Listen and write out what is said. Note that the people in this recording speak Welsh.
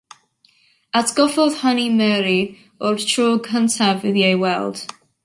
Atgoffodd hynny Mary o'r tro cyntaf iddi ei weld.